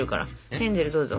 ヘンゼルどうぞ。